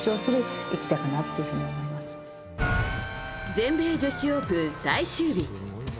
全米女子オープン最終日。